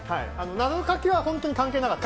謎かけは本当に関係なかった。